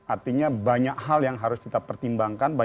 artinya banyak hal yang harus kita pertimbangkan